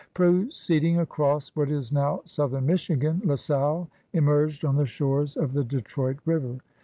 Proceeding across what is now southern Michigan, La Salle emerged on the shores of the Detroit River.